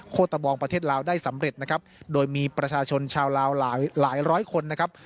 ตะบองประเทศลาวได้สำเร็จนะครับโดยมีประชาชนชาวลาวหลายหลายร้อยคนนะครับ